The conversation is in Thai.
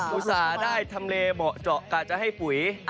ต่าได้ทำเลเหมาะเจาะกะจะให้ปุ๋ย